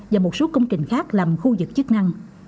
và một số công trình khác làm khu vực chức năng